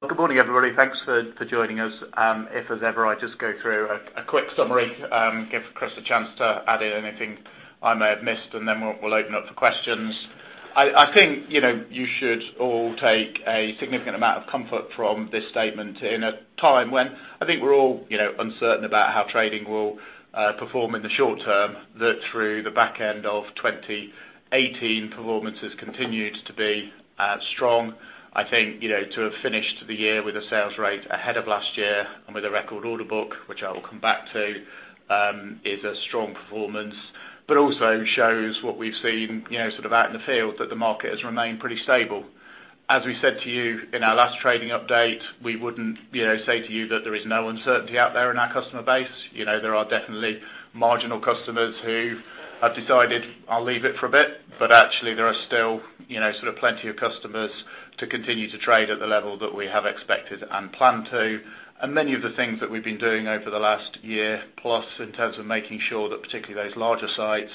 Well, good morning, everybody. Thanks for joining us. As ever, I just go through a quick summary, give Chris a chance to add in anything I may have missed, and then we'll open up for questions. I think you should all take a significant amount of comfort from this statement in a time when I think we're all uncertain about how trading will perform in the short term, that through the back end of 2018, performance has continued to be strong. I think to have finished the year with a sales rate ahead of last year and with a record order book, which I will come back to, is a strong performance, but also shows what we've seen out in the field that the market has remained pretty stable. As we said to you in our last trading update, we wouldn't say to you that there is no uncertainty out there in our customer base. There are definitely marginal customers who have decided, "I'll leave it for a bit," but actually there are still plenty of customers to continue to trade at the level that we have expected and planned to. Many of the things that we've been doing over the last year plus in terms of making sure that particularly those larger sites,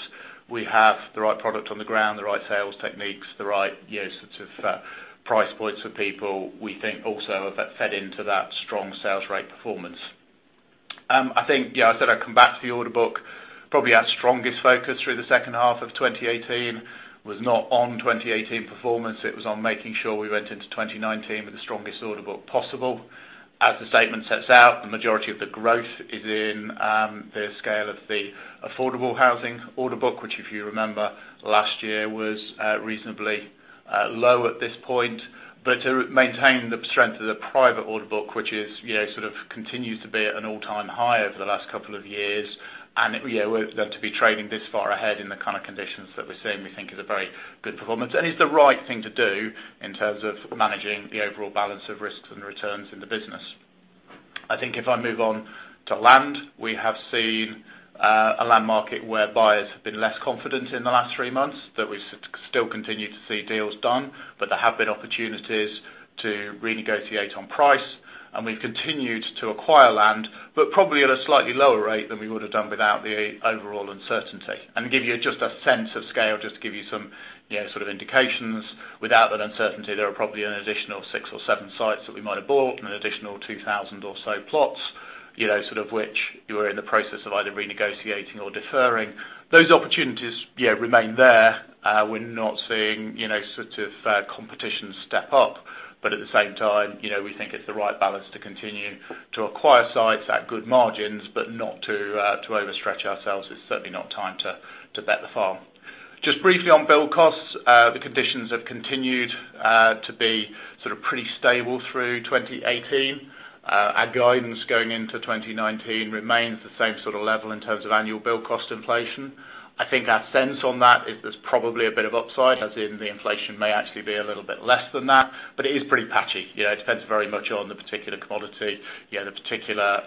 we have the right product on the ground, the right sales techniques, the right price points for people, we think also have fed into that strong sales rate performance. I think, I said I'd come back to the order book. Probably our strongest focus through the second half of 2018 was not on 2018 performance. It was on making sure we went into 2019 with the strongest order book possible. As the statement sets out, the majority of the growth is in the scale of the affordable housing order book, which if you remember last year was reasonably low at this point. To maintain the strength of the private order book, which continues to be at an all-time high over the last couple of years, and them to be trading this far ahead in the kind of conditions that we're seeing we think is a very good performance. Is the right thing to do in terms of managing the overall balance of risks and returns in the business. I think if I move on to land, we have seen a land market where buyers have been less confident in the last three months, that we still continue to see deals done, but there have been opportunities to renegotiate on price, and we've continued to acquire land, but probably at a slightly lower rate than we would have done without the overall uncertainty. To give you just a sense of scale, just to give you some indications, without that uncertainty, there are probably an additional six or seven sites that we might have bought and an additional 2,000 or so plots, which we were in the process of either renegotiating or deferring. Those opportunities remain there. We're not seeing competition step up, but at the same time we think it's the right balance to continue to acquire sites at good margins, but not to overstretch ourselves. It's certainly not time to bet the farm. Just briefly on build costs, the conditions have continued to be pretty stable through 2018. Our guidance going into 2019 remains the same sort of level in terms of annual build cost inflation. I think our sense on that is there's probably a bit of upside as in the inflation may actually be a little bit less than that, but it is pretty patchy. It depends very much on the particular commodity, the particular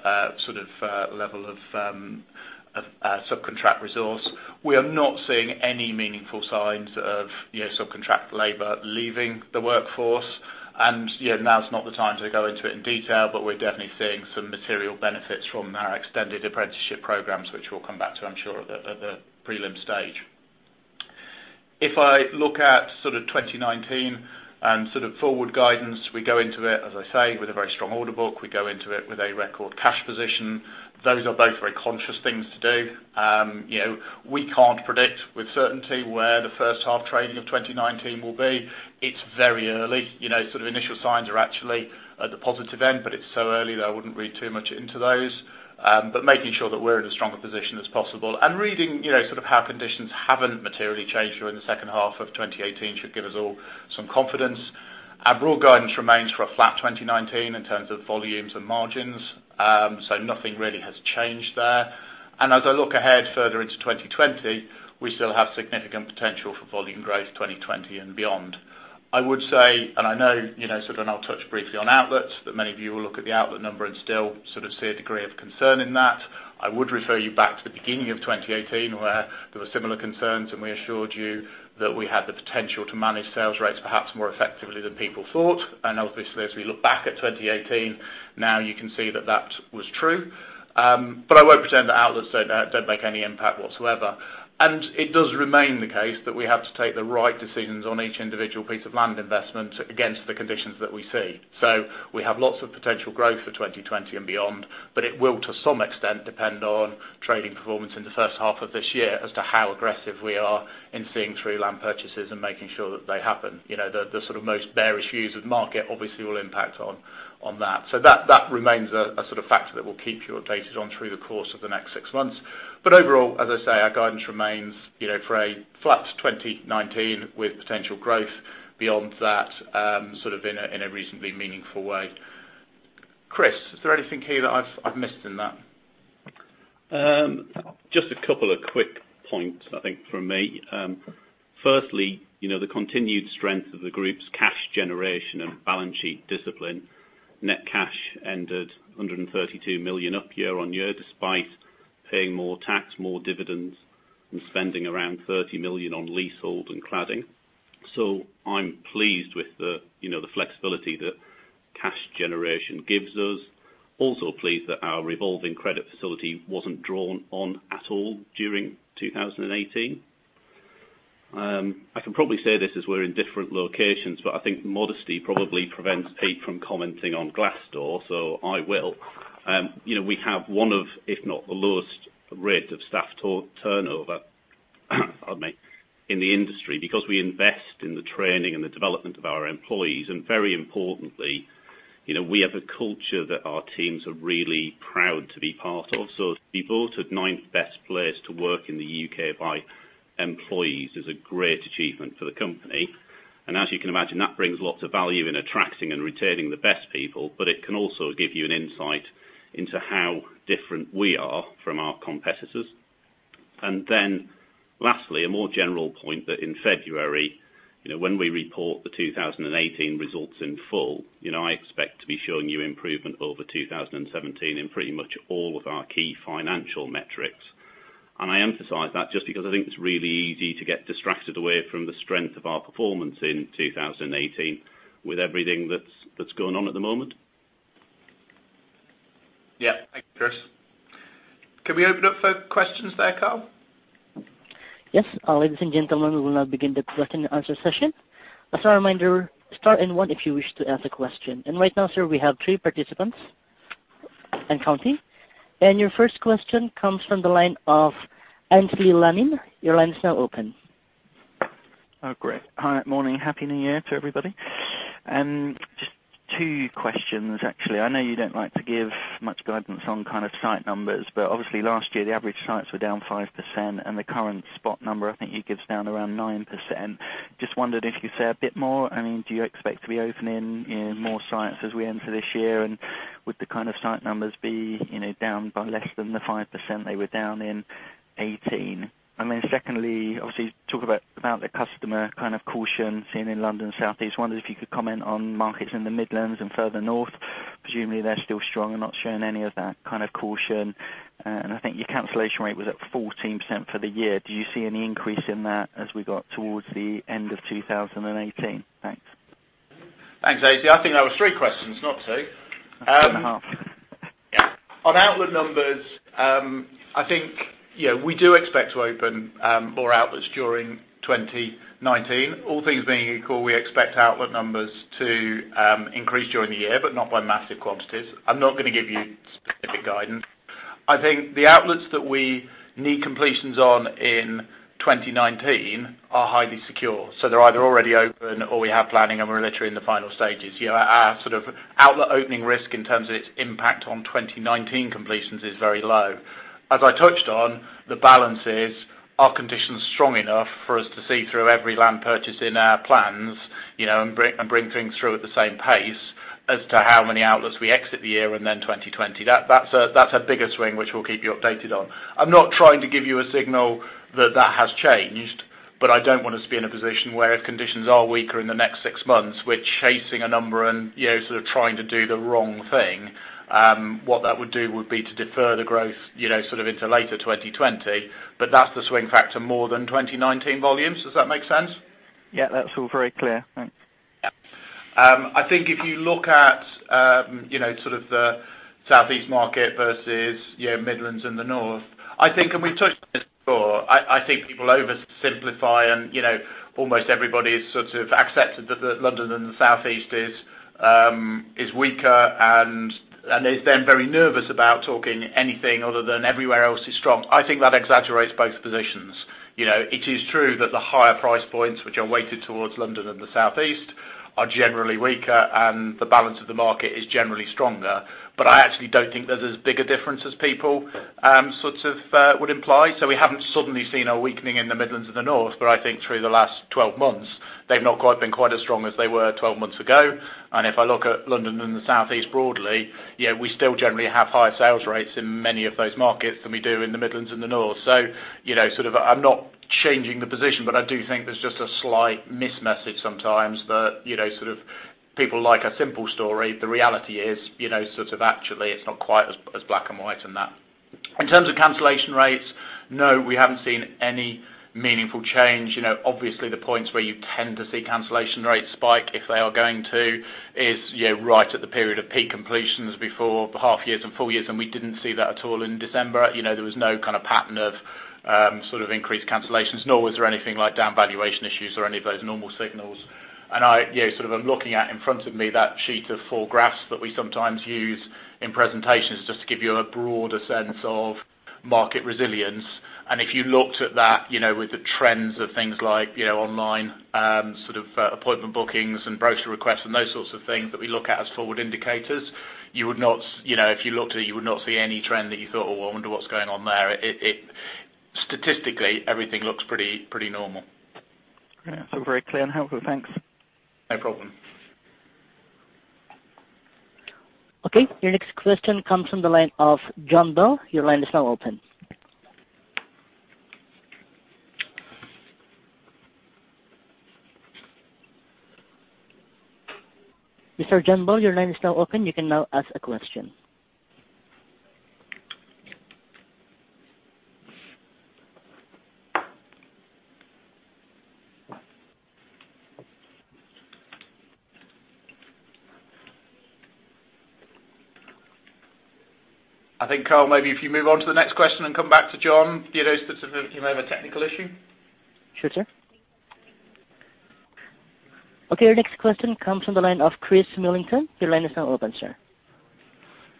level of subcontract resource. We are not seeing any meaningful signs of subcontract labor leaving the workforce. Now's not the time to go into it in detail, but we're definitely seeing some material benefits from our extended apprenticeship programs, which we'll come back to, I'm sure, at the prelim stage. If I look at 2019 and forward guidance, we go into it, as I say, with a very strong order book. We go into it with a record cash position. Those are both very conscious things to do. We can't predict with certainty where the first half trading of 2019 will be. It's very early. Initial signs are actually at the positive end, but it's so early that I wouldn't read too much into those. Making sure that we're in as strong a position as possible and reading how conditions haven't materially changed during the second half of 2018 should give us all some confidence. Our broad guidance remains for a flat 2019 in terms of volumes and margins. Nothing really has changed there. As I look ahead further into 2020, we still have significant potential for volume growth 2020 and beyond. I would say, and I know I'll touch briefly on outlets, that many of you will look at the outlet number and still see a degree of concern in that. I would refer you back to the beginning of 2018 where there were similar concerns, and we assured you that we had the potential to manage sales rates perhaps more effectively than people thought. Obviously, as we look back at 2018, now you can see that that was true. I won't pretend that outlets don't make any impact whatsoever. It does remain the case that we have to take the right decisions on each individual piece of land investment against the conditions that we see. We have lots of potential growth for 2020 and beyond, but it will to some extent depend on trading performance in the first half of this year as to how aggressive we are in seeing through land purchases and making sure that they happen. The most bearish views of the market obviously will impact on that. That remains a fact that we'll keep you updated on through the course of the next six months. Overall, as I say, our guidance remains for a flat 2019 with potential growth beyond that in a reasonably meaningful way. Chris, is there anything here that I've missed in that? Just a couple of quick points, I think from me. Firstly, the continued strength of the group's cash generation and balance sheet discipline. Net cash ended 132 million up year-on-year despite paying more tax, more dividends, and spending around 30 million on leasehold and cladding. I'm pleased with the flexibility that cash generation gives us. Also pleased that our revolving credit facility wasn't drawn on at all during 2018. I can probably say this as we're in different locations, but I think modesty probably prevents Pete from commenting on Glassdoor, so I will. We have one of, if not the lowest rate of staff turnover, pardon me, in the industry, because we invest in the training and the development of our employees, and very importantly, we have a culture that our teams are really proud to be part of. To be voted ninth best place to work in the U.K. by employees is a great achievement for the company, and as you can imagine, that brings lots of value in attracting and retaining the best people, but it can also give you an insight into how different we are from our competitors. Lastly, a more general point that in February, when we report the 2018 results in full, I expect to be showing you improvement over 2017 in pretty much all of our key financial metrics. I emphasize that just because I think it's really easy to get distracted away from the strength of our performance in 2018 with everything that's going on at the moment. Yeah. Thanks, Chris. Can we open up for questions there, Carl? Yes. Ladies and gentlemen, we will now begin the question-and-answer session. As a reminder, star and one if you wish to ask a question. Right now, sir, we have three participants and counting. Your first question comes from the line of Aynsley Lammin. Your line is now open. Oh, great. Hi, morning. Happy New Year to everybody. Just two questions, actually. I know you don't like to give much guidance on site numbers, but obviously last year, the average sites were down 5%, and the current spot number, I think you give is down around 9%. Just wondered if you could say a bit more. Do you expect to be opening more sites as we enter this year? Would the site numbers be down by less than the 5% they were down in 2018? Secondly, obviously, you talk about the customer caution seen in London Southeast. Wonder if you could comment on markets in the Midlands and further north. Presumably, they're still strong and not showing any of that caution. I think your cancellation rate was at 14% for the year. Do you see any increase in that as we got towards the end of 2018? Thanks. Thanks, Aynsley. I think that was three questions, not two. Two and a half. On outlet numbers, I think we do expect to open more outlets during 2019. All things being equal, we expect outlet numbers to increase during the year, but not by massive quantities. I'm not going to give you specific guidance. I think the outlets that we need completions on in 2019 are highly secure. They're either already open, or we have planning and we're literally in the final stages. Our outlet opening risk in terms of its impact on 2019 completions is very low. As I touched on, the balance is, are conditions strong enough for us to see through every land purchase in our plans, and bring things through at the same pace as to how many outlets we exit the year and then 2020? That's a bigger swing, which we'll keep you updated on. I'm not trying to give you a signal that that has changed, but I don't want us to be in a position where if conditions are weaker in the next six months, we're chasing a number and trying to do the wrong thing. What that would do would be to defer the growth into later 2020, but that's the swing factor more than 2019 volumes. Does that make sense? Yeah, that's all very clear. Thanks. Yeah. I think if you look at the Southeast market versus Midlands and the North, and we've touched on this before, I think people oversimplify and almost everybody has accepted that the London and the Southeast is weaker and is then very nervous about talking anything other than everywhere else is strong. I think that exaggerates both positions. It is true that the higher price points, which are weighted towards London and the Southeast, are generally weaker, and the balance of the market is generally stronger. I actually don't think there's as big a difference as people would imply. We haven't suddenly seen a weakening in the Midlands and the North, but I think through the last 12 months, they've not quite been quite as strong as they were 12 months ago. If I look at London and the Southeast broadly, we still generally have higher sales rates in many of those markets than we do in the Midlands and the North. I'm not changing the position, but I do think there's just a slight mismessage sometimes that people like a simple story. The reality is, actually, it's not quite as black and white in that. In terms of cancellation rates, no, we haven't seen any meaningful change. Obviously, the points where you tend to see cancellation rates spike, if they are going to, is right at the period of peak completions before half years and full years, and we didn't see that at all in December. There was no pattern of increased cancellations, nor was there anything like down valuation issues or any of those normal signals. I'm looking at, in front of me, that sheet of four graphs that we sometimes use in presentations just to give you a broader sense of market resilience. If you looked at that with the trends of things like online appointment bookings and brochure requests and those sorts of things that we look at as forward indicators, if you looked at it, you would not see any trend that you thought, "Oh, I wonder what's going on there." Statistically, everything looks pretty normal. Great. It's all very clear and helpful. Thanks. No problem. Your next question comes from the line of John Bell. Your line is now open. Mr. John Bell, your line is now open. You can now ask a question. I think, Carl, maybe if you move on to the next question and come back to John, he may have a technical issue. Sure, sir. Your next question comes from the line of Chris Millington. Your line is now open, sir.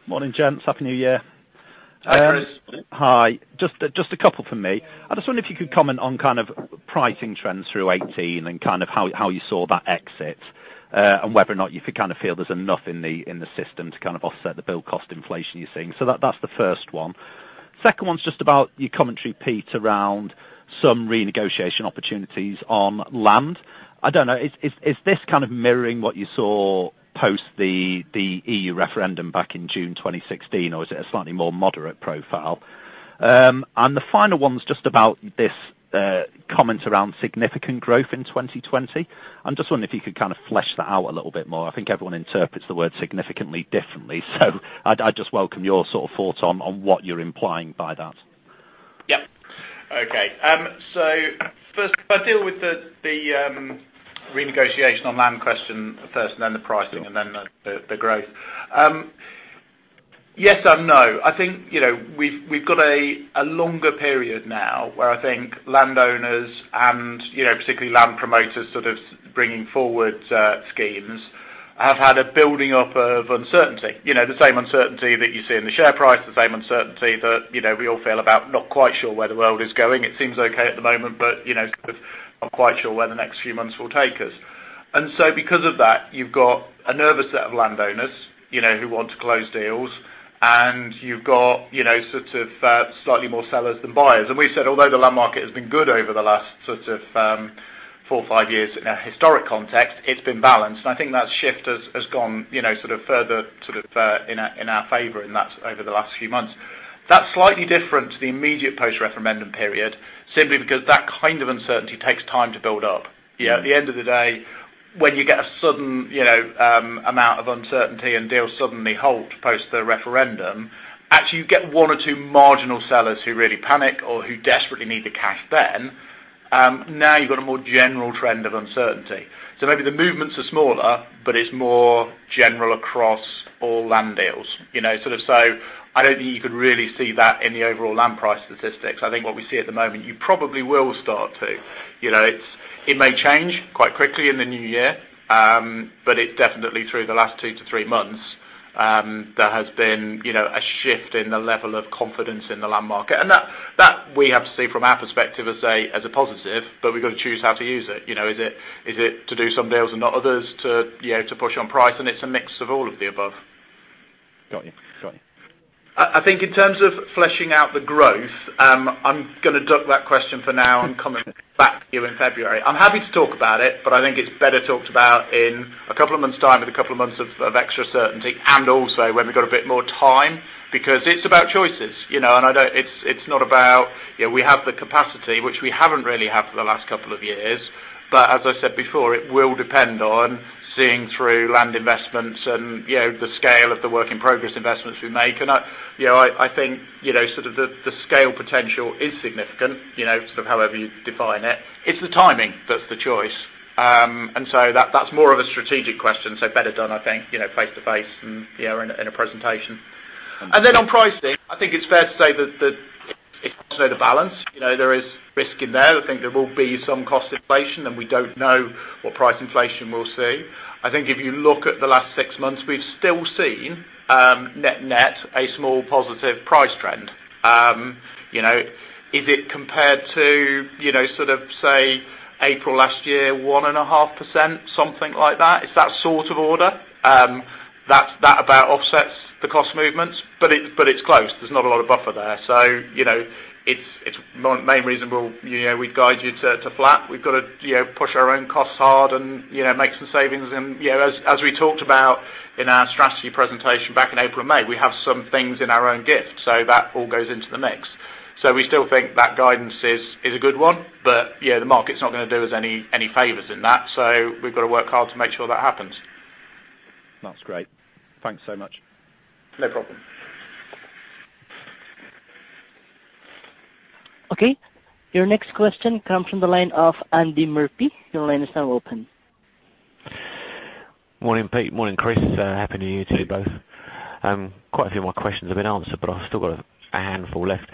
Morning, gents. Happy New Year. Hi, Chris. Hi. Just a couple from me. I just wonder if you could comment on pricing trends through 2018 and how you saw that exit, and whether or not you feel there's enough in the system to offset the build cost inflation you're seeing. That's the first one. Second one's just about your commentary, Pete, around some renegotiation opportunities on land. I don't know, is this kind of mirroring what you saw post the EU referendum back in June 2016, or is it a slightly more moderate profile? The final one's just about this comment around significant growth in 2020. I'm just wondering if you could kind of flesh that out a little bit more. I think everyone interprets the word significantly differently, so I'd just welcome your thoughts on what you're implying by that. Yep. Okay. First, if I deal with the renegotiation on land question first, and then the pricing, and then the growth. Yes and no. I think we've got a longer period now where I think landowners and particularly land promoters bringing forward schemes, have had a building up of uncertainty. The same uncertainty that you see in the share price, the same uncertainty that we all feel about not quite sure where the world is going. It seems okay at the moment, but not quite sure where the next few months will take us. Because of that, you've got a nervous set of landowners who want to close deals, and you've got slightly more sellers than buyers. We've said, although the land market has been good over the last four or five years in a historic context, it's been balanced. I think that shift has gone further in our favor in that over the last few months. That's slightly different to the immediate post-referendum period, simply because that kind of uncertainty takes time to build up. At the end of the day, when you get a sudden amount of uncertainty and deals suddenly halt post the referendum, actually, you get one or two marginal sellers who really panic or who desperately need the cash then. Now you've got a more general trend of uncertainty. Maybe the movements are smaller, but it's more general across all land deals. I don't think you could really see that in the overall land price statistics. I think what we see at the moment, you probably will start to. It may change quite quickly in the new year, but it definitely through the last two to three months, there has been a shift in the level of confidence in the land market. That we have to see from our perspective as a positive, but we've got to choose how to use it. Is it to do some deals and not others to push on price? It's a mix of all of the above. Got you. I think in terms of fleshing out the growth, I'm going to duck that question for now and come back to you in February. I'm happy to talk about it, but I think it's better talked about in a couple of months' time with a couple of months of extra certainty and also when we've got a bit more time, because it's about choices. It's not about we have the capacity, which we haven't really had for the last couple of years. As I said before, it will depend on seeing through land investments and the scale of the work in progress investments we make. I think the scale potential is significant, however you define it. It's the timing that's the choice. That's more of a strategic question, so better done, I think, face-to-face in a presentation. On pricing, I think it's fair to say that it's also the balance. There is risk in there. I think there will be some cost inflation, and we don't know what price inflation we'll see. I think if you look at the last six months, we've still seen net net a small positive price trend. Is it compared to say April last year, 1.5%, something like that? It's that sort of order. That about offsets the cost movements, but it's close. There's not a lot of buffer there. It's my main reason we'd guide you to flat. We've got to push our own costs hard and make some savings. As we talked about in our strategy presentation back in April and May, we have some things in our own gift, so that all goes into the mix. We still think that guidance is a good one, but the market's not going to do us any favors in that. We've got to work hard to make sure that happens. That's great. Thanks so much. No problem. Okay. Your next question comes from the line of Andy Murphy. Your line is now open. Morning, Pete. Morning, Chris. Happy New Year to you both. Quite a few of my questions have been answered, but I've still got a handful left.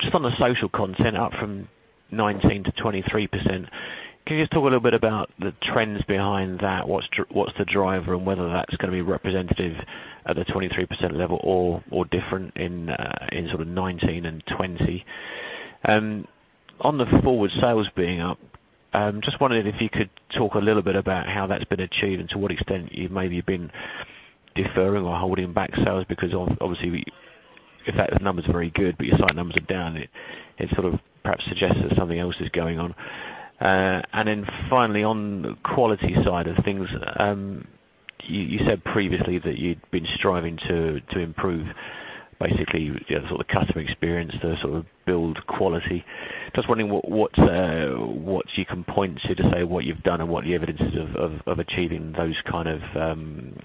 Just on the social housing up from 19%-23%, can you just talk a little bit about the trends behind that? What's the driver and whether that's going to be representative at a 23% level or different in sort of 2019 and 2020? On the forward sales being up, just wondering if you could talk a little bit about how that's been achieved and to what extent you maybe have been deferring or holding back sales, because obviously if that number's very good but your site numbers are down, it perhaps suggests that something else is going on. Finally, on the quality side of things, you said previously that you'd been striving to improve basically the customer experience to build quality. Just wondering what you can point to say what you've done and what the evidence is of achieving those kind of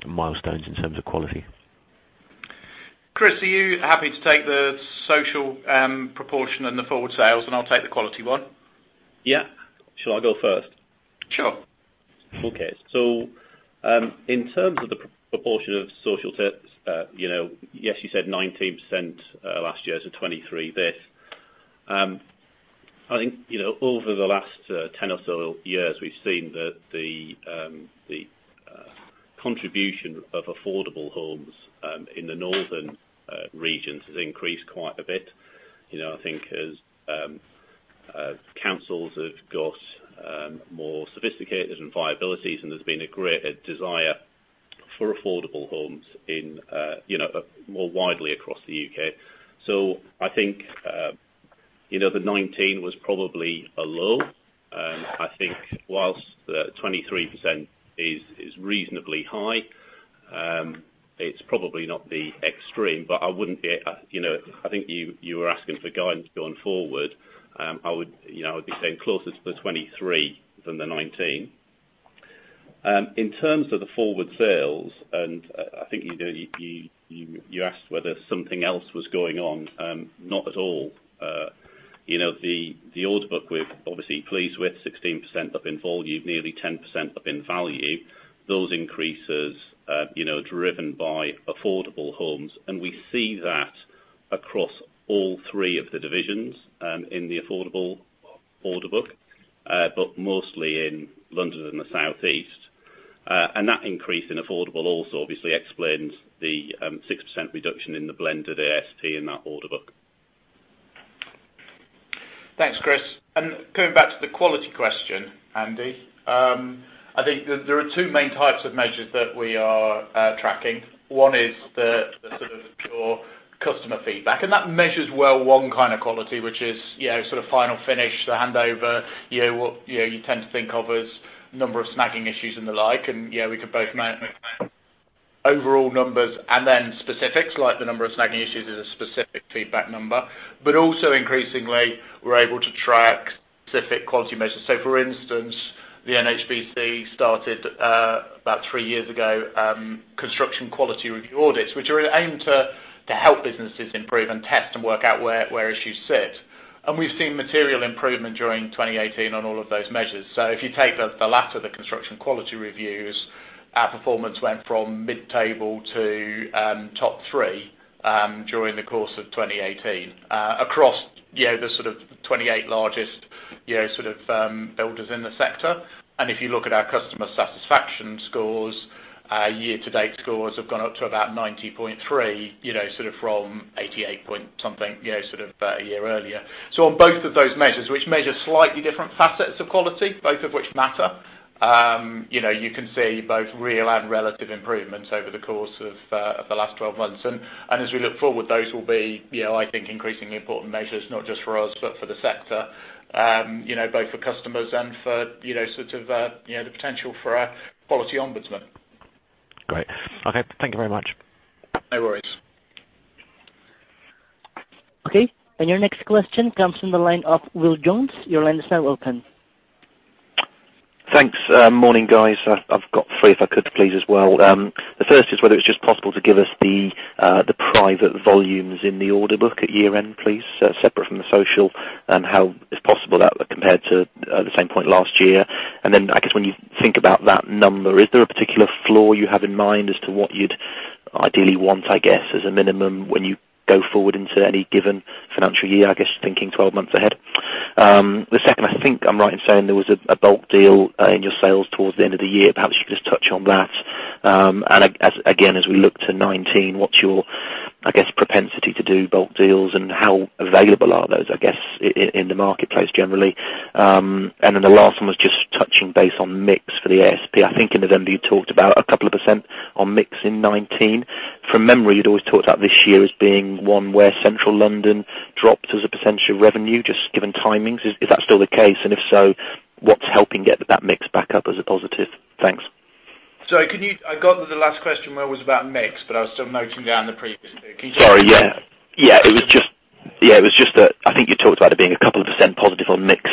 milestones in terms of quality. Chris, are you happy to take the social proportion and the forward sales, and I'll take the quality one? Yeah. Shall I go first? Sure. Okay. In terms of the proportion of social housing, yes, you said 19% last year to 23% this. I think over the last 10 or so years, we've seen that the contribution of affordable homes in the northern regions has increased quite a bit. I think as councils have got more sophisticated and viabilities, there's been a greater desire for affordable homes more widely across the U.K. I think the 19% was probably a low. I think whilst the 23% is reasonably high, it's probably not the extreme. I think you were asking for guidance going forward. I would be saying closer to the 23% than the 19%. In terms of the forward sales, I think you asked whether something else was going on, not at all. The order book, we're obviously pleased with 16% up in volume, nearly 10% up in value. Those increases driven by affordable homes. We see that across all three of the divisions in the affordable order book, but mostly in London and the Southeast. That increase in affordable also obviously explains the 6% reduction in the blended ASP in that order book. Thanks, Chris. Coming back to the quality question, Andy, I think there are two main types of measures that we are tracking. One is the pure customer feedback, and that measures, well, one kind of quality, which is final finish, the handover, what you tend to think of as number of snagging issues and the like. Yeah, we could both overall numbers and then specifics, like the number of snagging issues is a specific feedback number. Also increasingly, we're able to track specific quality measures. For instance, the NHBC started about three years ago Construction Quality Review audits, which are aimed to help businesses improve and test and work out where issues sit. We've seen material improvement during 2018 on all of those measures. If you take the latter, the Construction Quality Reviews, our performance went from mid-table to top three during the course of 2018 across the 28 largest builders in the sector. If you look at our customer satisfaction scores, year to date scores have gone up to about 90.3, from 88 point something a year earlier. On both of those measures, which measure slightly different facets of quality, both of which matter, you can see both real and relative improvements over the course of the last 12 months. As we look forward, those will be I think increasingly important measures, not just for us, but for the sector, both for customers and for the potential for our policy Ombudsman. Great. Okay. Thank you very much. No worries. Okay. Your next question comes from the line of Will Jones. Your line is now open. Thanks. Morning, guys. I've got three if I could please as well. The first is whether it's just possible to give us the private volumes in the order book at year-end, please, separate from the social and how, if possible, that compared to the same point last year. Then I guess when you think about that number, is there a particular floor you have in mind as to what you'd ideally want, I guess, as a minimum when you go forward into any given financial year, I guess thinking 12 months ahead. The second, I think I'm right in saying there was a bulk deal in your sales towards the end of the year. Perhaps you could just touch on that. Again, as we look to 2019, what's your, I guess, propensity to do bulk deals and how available are those, I guess, in the marketplace generally? The last one was just touching base on mix for the ASP. I think in November you talked about a couple of percent on mix in 2019. From memory, you'd always talked about this year as being one where Central London dropped as a percentage of revenue, just given timings. Is that still the case? If so, what's helping get that mix back up as a positive? Thanks. Sorry. I got the last question where it was about mix, I was still noting down the previous bit. Can you- Sorry. Yeah. I think you talked about it being a couple of percent positive on mix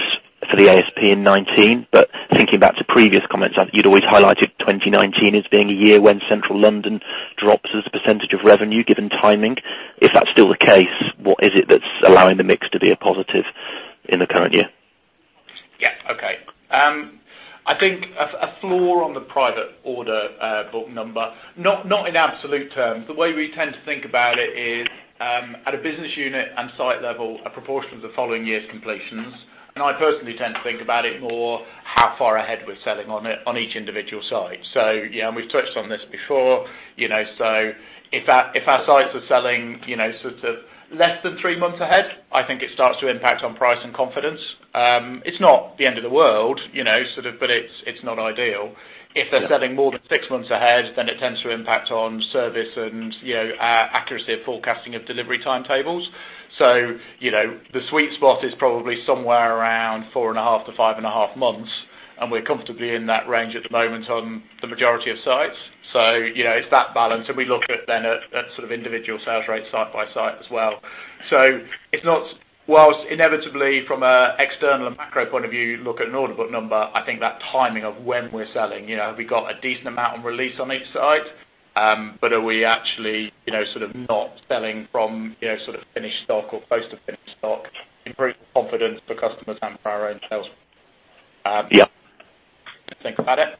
for the ASP in 2019. Thinking back to previous comments, you'd always highlighted 2019 as being a year when Central London drops as a percentage of revenue, given timing. If that's still the case, what is it that's allowing the mix to be a positive in the current year? Yeah. Okay. I think a floor on the private order book number, not in absolute terms. The way we tend to think about it is, at a business unit and site level, a proportion of the following year's completions. I personally tend to think about it more how far ahead we're selling on each individual site. We've touched on this before. If our sites are selling less than three months ahead, I think it starts to impact on price and confidence. It's not the end of the world, it's not ideal. If they're selling more than six months ahead, it tends to impact on service and accuracy of forecasting of delivery timetables. The sweet spot is probably somewhere around 4.5-5.5 months, and we are comfortably in that range at the moment on the majority of sites. It is that balance, and we look at then at individual sales rates site by site as well. Whilst inevitably from an external and macro point of view, look at an order book number, I think that timing of when we are selling. Have we got a decent amount on release on each site? Are we actually not selling from finished stock or close to finished stock, improve confidence for customers and for our own sales? Yeah. Think about it.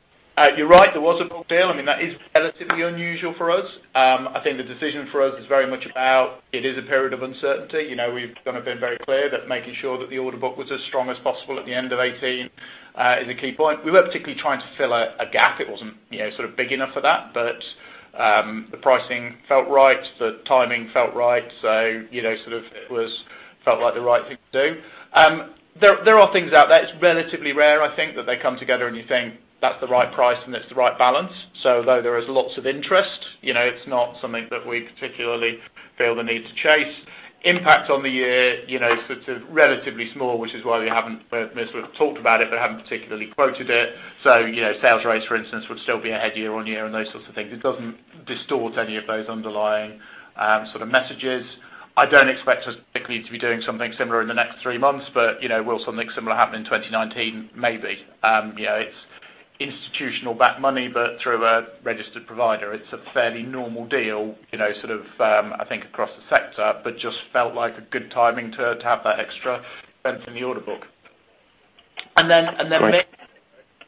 You are right, there was a bulk deal. That is relatively unusual for us. I think the decision for us is very much about, it is a period of uncertainty. We have kind of been very clear that making sure that the order book was as strong as possible at the end of 2018 is a key point. We were not particularly trying to fill a gap. It was not big enough for that. The pricing felt right, the timing felt right. It felt like the right thing to do. There are things out there. It is relatively rare, I think, that they come together and you think that is the right price and that is the right balance. Although there is lots of interest, it is not something that we particularly feel the need to chase. Impact on the year, relatively small, which is why we have not sort of talked about it, but have not particularly quoted it. Sales rates, for instance, would still be ahead year-over-year and those sorts of things. It does not distort any of those underlying sort of messages. I do not expect us particularly to be doing something similar in the next three months. Will something similar happen in 2019? Maybe. It is institutional backed money, but through a Registered Provider. It is a fairly normal deal, I think, across the sector, but just felt like a good timing to have that extra strength in the order book. Great.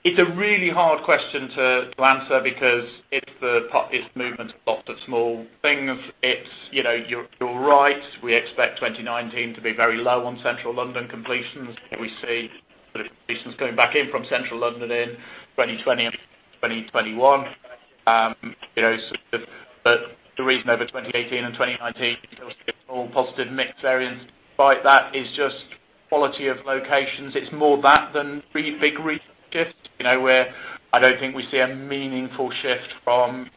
It is a really hard question to answer because it is movement of lots of small things. You are right. We expect 2019 to be very low on Central London completions. We see sort of completions going back in from Central London in 2020 and 2021. The reason over 2018 and 2019, you still see a small positive mix variance by that is just quality of locations. It is more that than big regional shifts, where I do not think we see a meaningful shift from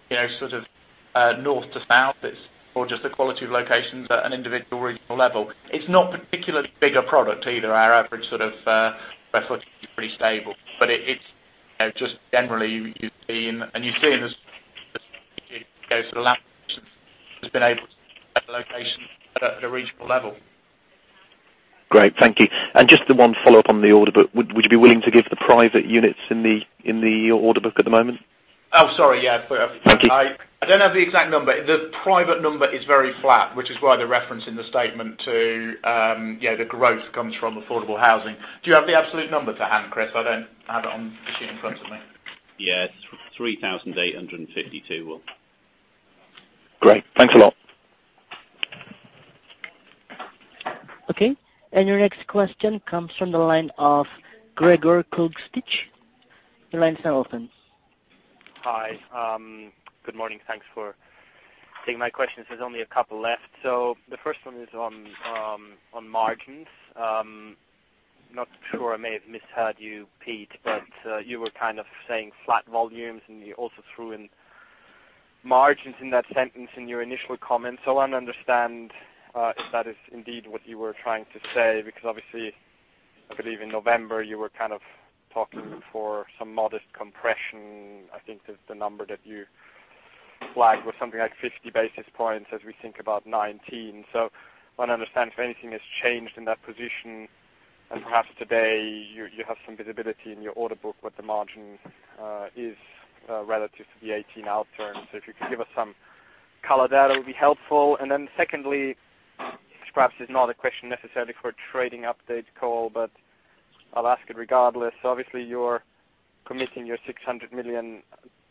north to south. It is more just the quality of locations at an individual regional level. It is not particularly bigger product either. Our average sort of reflective is pretty stable. It is just generally, you have seen the strategy go to the has been able to get locations at a regional level. Great. Thank you. Just the one follow-up on the order book. Would you be willing to give the private units in the order book at the moment? Oh, sorry, yeah. Thank you. I don't have the exact number. The private number is very flat, which is why the reference in the statement to the growth comes from affordable housing. Do you have the absolute number to hand, Chris? I don't have it on the sheet in front of me. Yeah. 3,852, Will. Great. Thanks a lot. Okay. Your next question comes from the line of Gregor Kuglitsch. Your line's now open. Hi. Good morning. Thanks for taking my questions. There's only a couple left. The first one is on margins. Not sure, I may have misheard you, Pete, but you were kind of saying flat volumes, and you also threw in margins in that sentence in your initial comments. I want to understand if that is indeed what you were trying to say, because obviously, I believe in November you were kind of talking for some modest compression. I think the number that you flagged was something like 50 basis points as we think about 2019. I want to understand if anything has changed in that position, and perhaps today, you have some visibility in your order book what the margin is relative to the 2018 outturn. If you could give us some color there, that would be helpful. Secondly, this perhaps is not a question necessarily for a trading update call, but I'll ask it regardless. Obviously, you're committing your 600 million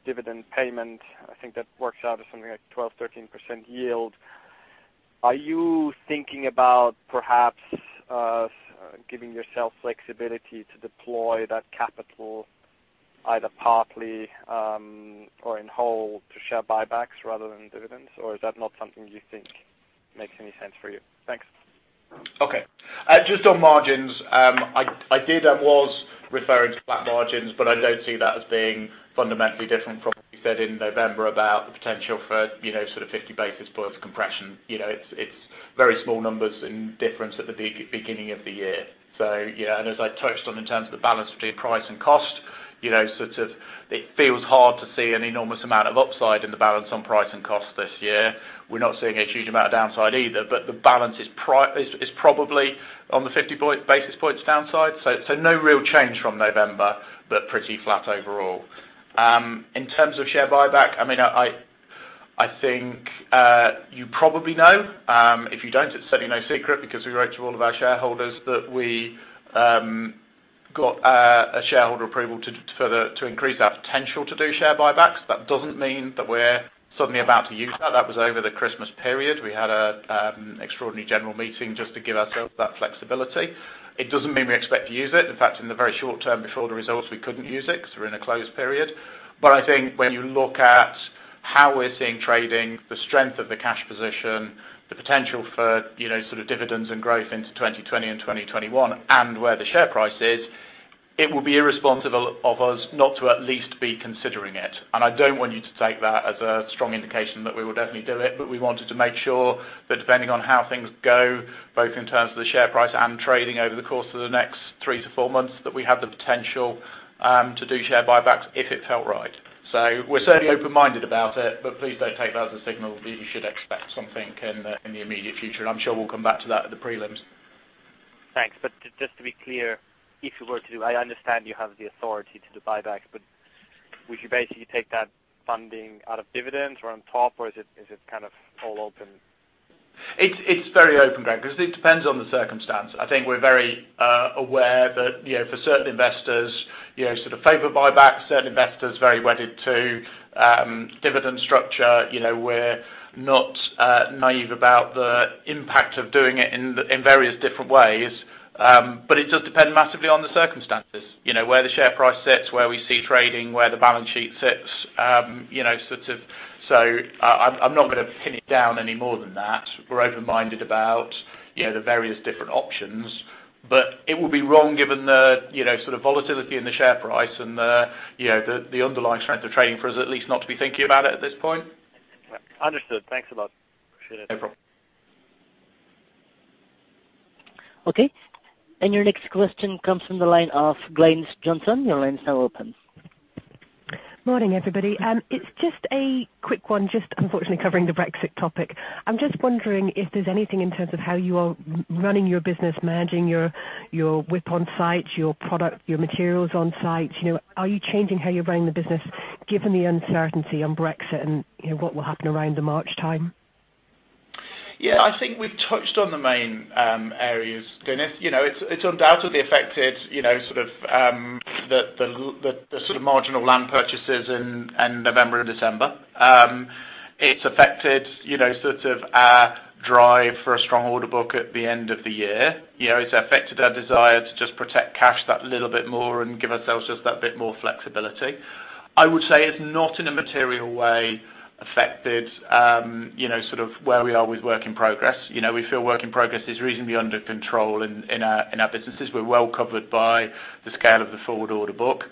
dividend payment. I think that works out as something like 12%-13% yield. Are you thinking about perhaps giving yourself flexibility to deploy that capital either partly or in whole to share buybacks rather than dividends, or is that not something you think makes any sense for you? Thanks. Okay. Just on margins, I was referring to flat margins, but I don't see that as being fundamentally different from what we said in November about the potential for sort of 50 basis points compression. It's very small numbers in difference at the beginning of the year. Yeah. As I touched on in terms of the balance between price and cost, it feels hard to see an enormous amount of upside in the balance on price and cost this year. We're not seeing a huge amount of downside either, but the balance is probably on the 50 basis points downside. No real change from November, but pretty flat overall. In terms of share buyback, I think you probably know. If you don't, it's certainly no secret because we wrote to all of our shareholders that we got a shareholder approval to increase our potential to do share buybacks. That doesn't mean that we're suddenly about to use that. That was over the Christmas period. We had an extraordinary general meeting just to give ourselves that flexibility. It doesn't mean we expect to use it. In fact, in the very short term before the results, we couldn't use it because we're in a closed period. I think when you look at how we're seeing trading, the strength of the cash position, the potential for sort of dividends and growth into 2020 and 2021, and where the share price is, it would be irresponsible of us not to at least be considering it. I don't want you to take that as a strong indication that we will definitely do it, but we wanted to make sure that depending on how things go, both in terms of the share price and trading over the course of the next three to four months, that we have the potential to do share buybacks if it felt right. We're certainly open-minded about it, but please don't take that as a signal that you should expect something in the immediate future. I'm sure we'll come back to that at the prelims. Thanks. Just to be clear, if you were to, I understand you have the authority to do buybacks, but would you basically take that funding out of dividends or on top, or is it kind of all open? It's very open, Greg, because it depends on the circumstance. I think we're very aware that for certain investors, favor buybacks, certain investors very wedded to dividend structure. We're not naive about the impact of doing it in various different ways. It does depend massively on the circumstances. Where the share price sits, where we see trading, where the balance sheet sits. I'm not going to pin it down any more than that. We're open-minded about the various different options. It would be wrong given the volatility in the share price and the underlying strength of trading for us at least not to be thinking about it at this point. Understood. Thanks a lot. Appreciate it. No problem. Okay. Your next question comes from the line of Glynis Johnson. Your line is now open. Morning, everybody. It's just a quick one, just unfortunately covering the Brexit topic. I'm just wondering if there's anything in terms of how you are running your business, managing your WIP on site, your product, your materials on site. Are you changing how you're running the business given the uncertainty on Brexit and what will happen around the March time? Yeah, I think we've touched on the main areas, Glynis. It's undoubtedly affected the marginal land purchases in November and December. It's affected our drive for a strong order book at the end of the year. It's affected our desire to just protect cash that little bit more and give ourselves just that bit more flexibility. I would say it's not in a material way affected where we are with work in progress. We feel work in progress is reasonably under control in our businesses. We're well covered by the scale of the forward order book.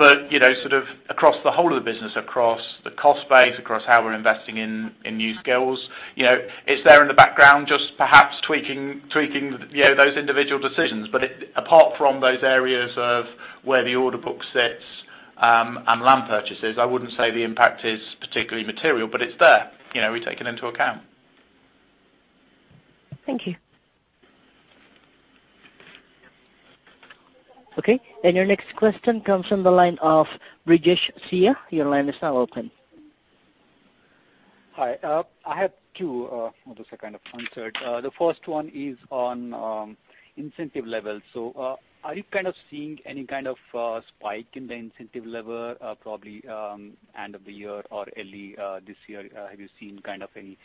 Across the whole of the business, across the cost base, across how we're investing in new skills, it's there in the background just perhaps tweaking those individual decisions. Apart from those areas of where the order book sits, and land purchases, I wouldn't say the impact is particularly material, but it's there. We take it into account. Thank you. Okay. Your next question comes from the line of Brijesh Siya. Your line is now open. Hi. I have two. Well, those are kind of answered. The first one is on incentive levels. Are you seeing any kind of spike in the incentive level, probably end of the year or early this year? Have you seen any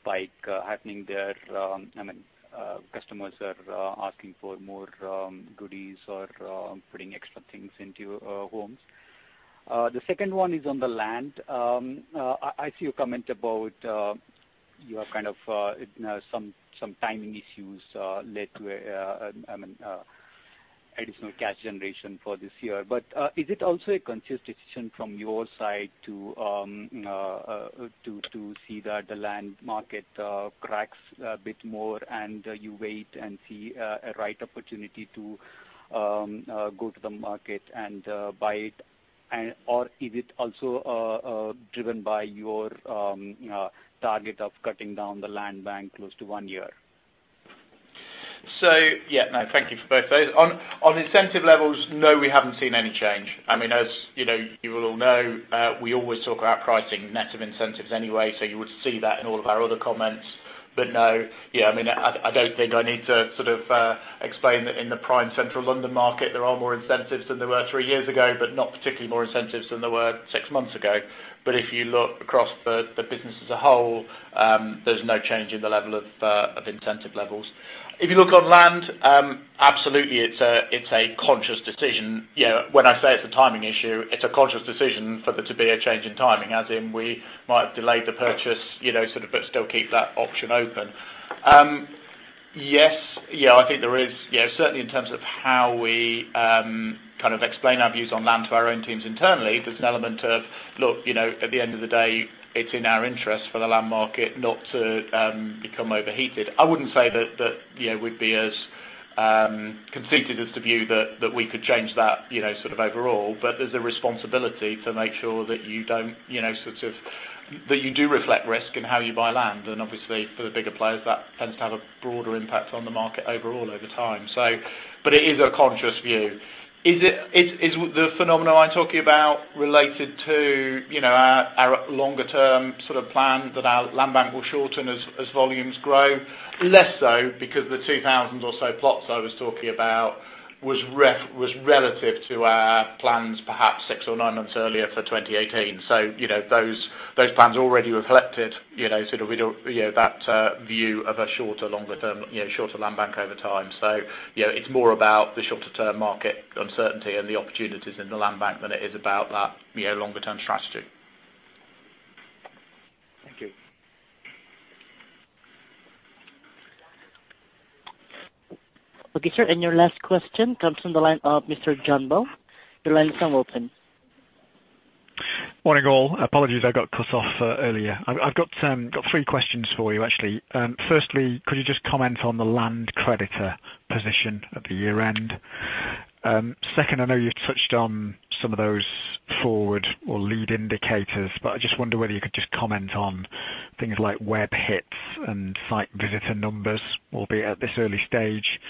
spike happening there? I mean, customers are asking for more goodies or putting extra things into homes. The second one is on the land. I see your comment about your timing issues led to additional cash generation for this year. Is it also a conscious decision from your side to see that the land market cracks a bit more and you wait and see a right opportunity to go to the market and buy it? Or is it also driven by your target of cutting down the land bank close to one year? Yeah, no, thank you for both those. On incentive levels, no, we haven't seen any change. You will all know, we always talk about pricing net of incentives anyway, so you would see that in all of our other comments. No, I don't think I need to explain that in the prime central London market, there are more incentives than there were three years ago, but not particularly more incentives than there were six months ago. If you look across the business as a whole, there's no change in the level of incentive levels. If you look on land, absolutely it's a conscious decision. When I say it's a timing issue, it's a conscious decision for there to be a change in timing, as in we might have delayed the purchase, but still keep that option open. Yes, I think there is, certainly in terms of how we explain our views on land to our own teams internally, there's an element of, look, at the end of the day, it's in our interest for the land market not to become overheated. I wouldn't say that we'd be as conceited as to view that we could change that overall, but there's a responsibility to make sure that you do reflect risk in how you buy land, and obviously for the bigger players, that tends to have a broader impact on the market overall over time. It is a conscious view. Is the phenomenon I'm talking about related to our longer-term plan that our land bank will shorten as volumes grow? Less so because the 2,000 or so plots I was talking about was relative to our plans perhaps six or nine months earlier for 2018. Those plans already reflected that view of a shorter land bank over time. It's more about the shorter-term market uncertainty and the opportunities in the land bank than it is about that longer-term strategy. Thank you. Okay, sir, your last question comes from the line of Mr. John Bell. Your line is now open. Morning all. Apologies, I got cut off earlier. I've got three questions for you, actually. Firstly, could you just comment on the land creditor position at the year-end? Second, I know you've touched on some of those forward or lead indicators, but I just wonder whether you could just comment on things like web hits and site visitor numbers, albeit at this early stage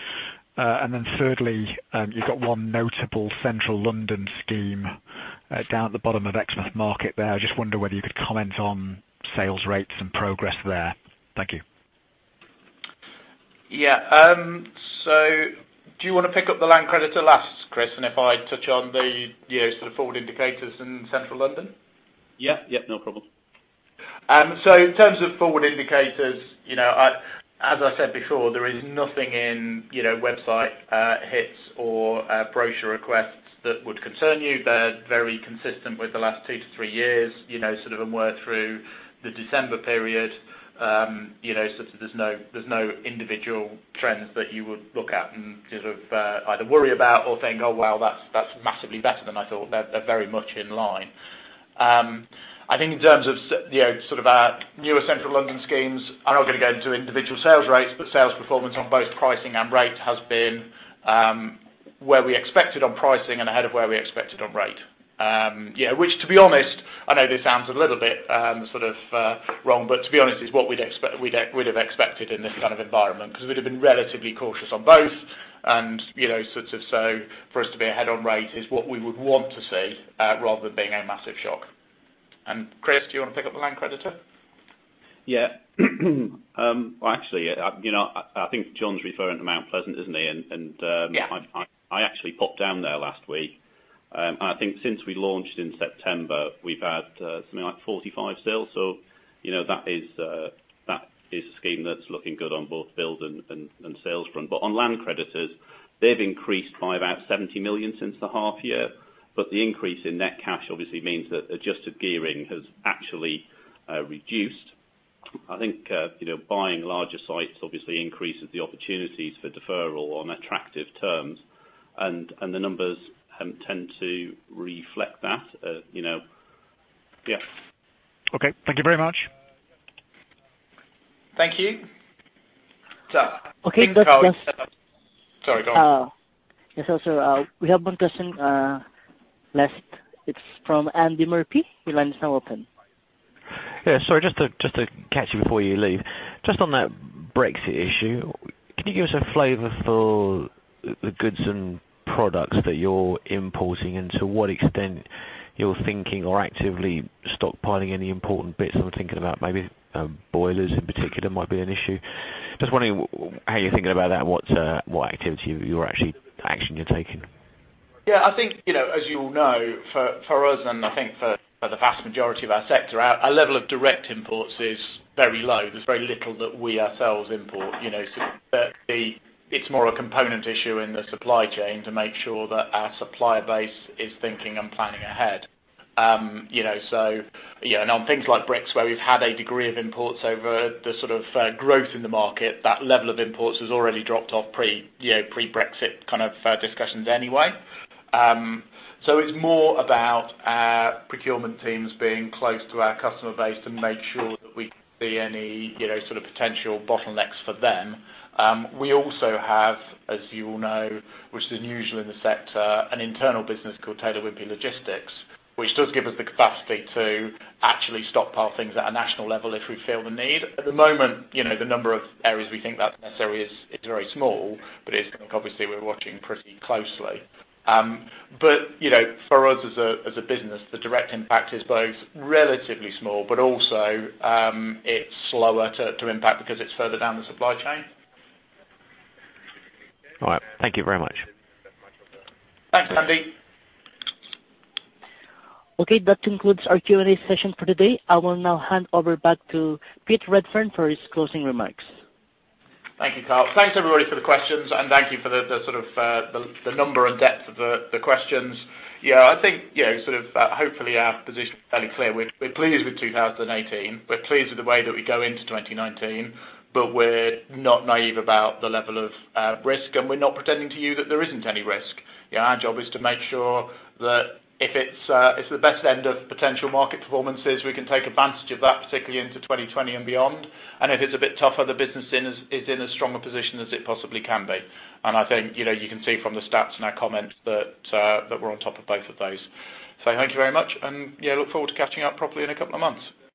Thirdly, you've got one notable central London scheme down at the bottom of Exmouth Market there. I just wonder whether you could comment on sales rates and progress there. Thank you. Yeah. Do you want to pick up the land creditor last, Chris? If I touch on the years sort of forward indicators in central London? Yeah, no problem. In terms of forward indicators, as I said before, there is nothing in website hits or brochure requests that would concern you. They're very consistent with the last two to three years, sort of and were through the December period. There's no individual trends that you would look at and sort of either worry about or think, "Oh, wow, that's massively better than I thought." They're very much in line. In terms of our newer central London schemes, I'm not going to go into individual sales rates, but sales performance on both pricing and rate has been where we expected on pricing and ahead of where we expected on rate. To be honest, I know this sounds a little bit wrong, but to be honest, is what we'd have expected in this kind of environment. We'd have been relatively cautious on both, for us to be ahead on rate is what we would want to see, rather than being a massive shock. Chris, do you want to pick up the land creditor? Well, actually, I think John's referring to Mount Pleasant, isn't he? Yeah. I actually popped down there last week, and since we launched in September, we've had something like 45 sales. That is a scheme that's looking good on both build and sales front. On land creditors, they've increased by about 70 million since the half year, the increase in net cash obviously means that adjusted gearing has actually reduced. Buying larger sites obviously increases the opportunities for deferral on attractive terms, and the numbers tend to reflect that. Okay. Thank you very much. Thank you. Okay, that's. Sorry, go on. Yes, sir. We have one question last. It's from Andy Murphy. Your line is now open. Sorry, just to catch you before you leave. Just on that Brexit issue, can you give us a flavor for the goods and products that you're importing, and to what extent you're thinking or actively stockpiling any important bits? I'm thinking about maybe boilers in particular might be an issue. Just wondering how you're thinking about that and what activity you're actually, action you're taking. I think, as you all know, for us, and I think for the vast majority of our sector, our level of direct imports is very low. There's very little that we ourselves import. It's more a component issue in the supply chain to make sure that our supplier base is thinking and planning ahead. On things like bricks, where we've had a degree of imports over the growth in the market, that level of imports has already dropped off pre-Brexit kind of discussions anyway. It's more about our procurement teams being close to our customer base to make sure that we see any potential bottlenecks for them. We also have, as you all know, which is unusual in the sector, an internal business called Taylor Wimpey Logistics, which does give us the capacity to actually stockpile things at a national level if we feel the need. At the moment, the number of areas we think that's necessary is very small, but it's something obviously we're watching pretty closely. For us as a business, the direct impact is both relatively small, but also, it's slower to impact because it's further down the supply chain. All right. Thank you very much. Thanks, Andy. That concludes our Q&A session for today. I will now hand over back to Pete Redfern for his closing remarks. Thank you, Carl. Thanks everybody for the questions, and thank you for the number and depth of the questions. I think, hopefully our position is fairly clear. We're pleased with 2018. We're pleased with the way that we go into 2019, but we're not naive about the level of risk, and we're not pretending to you that there isn't any risk. Our job is to make sure that if it's the best end of potential market performances, we can take advantage of that, particularly into 2020 and beyond. If it's a bit tougher, the business is in as strong a position as it possibly can be. I think you can see from the stats and our comments that we're on top of both of those. Thank you very much, and look forward to catching up properly in a couple of months.